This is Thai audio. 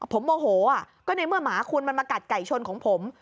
ผมโมโหก็ในเมื่อหมาคุณมันมากัดไก่ชนของผม